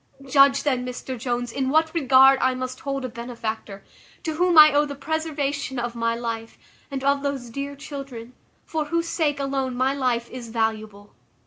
Judge, then, Mr Jones, in what regard I must hold a benefactor, to whom I owe the preservation of my life, and of those dear children, for whose sake alone my life is valuable.